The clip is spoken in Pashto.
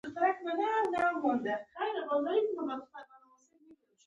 دواړه کليوال موسک ول.